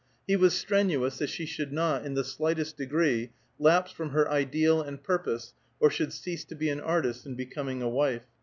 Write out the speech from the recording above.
He was strenuous that she should not, in the slightest degree, lapse from her ideal and purpose, or should cease to be an artist in becoming a wife.